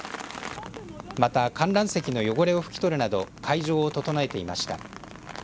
また、観覧席の汚れをふき取るなど会場を整えていました。